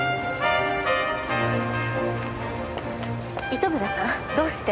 糸村さんどうして？